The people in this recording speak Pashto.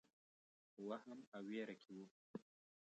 وهم او وېره کې وو.